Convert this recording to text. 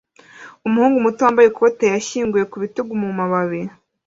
Umuhungu muto wambaye ikote yashyinguwe ku bitugu mu mababi